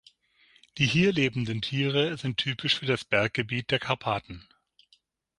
Die hier lebenden Tiere sind typisch für das Berggebiet der Karpaten.